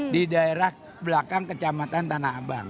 di daerah belakang kecamatan tanah abang